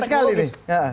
ini serius sekali ini